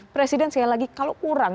presiden sekali lagi kalau kurang